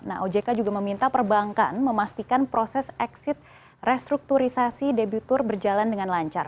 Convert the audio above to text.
nah ojk juga meminta perbankan memastikan proses exit restrukturisasi debitur berjalan dengan lancar